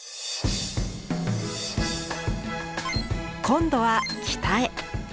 今度は北へ。